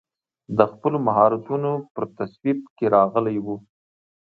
د خپلو مهارتونو پر توصیف کې راغلی و.